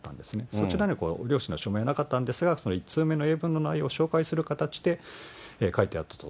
そちらには両親の署名がなかったのですが、１通目の英文の内容を紹介する形で書いてあったと。